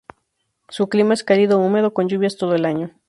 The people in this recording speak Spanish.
Su clima es cálido húmedo con lluvias todo el año.